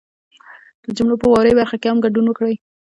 د جملو په واورئ برخه کې هم ګډون وکړئ